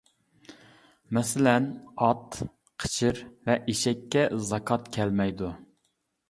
مەسىلەن: ئات، قېچىر ۋە ئېشەككە زاكات كەلمەيدۇ.